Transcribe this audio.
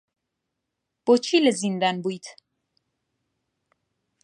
بۆچی لە زیندان بوویت؟